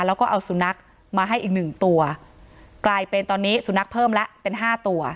แล้วก็เอาสุนัขมาให้อีกหนึ่งตัวกลายเป็นตอนนี้สุนัขเพิ่มแล้วเป็นห้าตัว